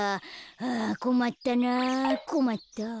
あこまったなぁこまったぁ。